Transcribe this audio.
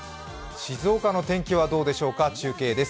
静岡の天気はどうでしょうか、中継です。